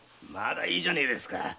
まだいいじゃねえですか！